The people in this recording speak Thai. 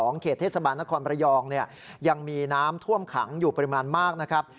เขตเทศบาลนครประยองยังมีน้ำท่วมขังอยู่ปริมาณมากนะครับ